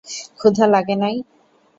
ক্ষুধা লাগে নাই?